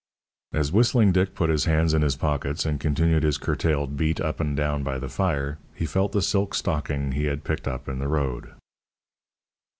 As Whistling Dick put his hands in his pockets and continued his curtailed beat up and down by the fire, he felt the silk stocking he had picked up in the road.